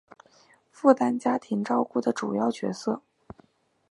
负担家庭照顾的主要角色